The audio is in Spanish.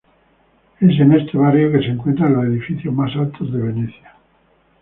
Es en este barrio que se encuentran los edificios más altos de Venecia.